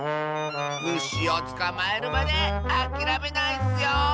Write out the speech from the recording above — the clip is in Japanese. むしをつかまえるまであきらめないッスよ！